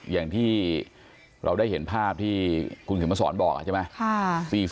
อย่างที่เราได้เห็นภาพที่คุณศิลปะศรบอกใช่ไหม